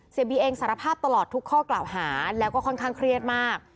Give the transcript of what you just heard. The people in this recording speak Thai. บีเองสารภาพตลอดทุกข้อกล่าวหาแล้วก็ค่อนข้างเครียดมาก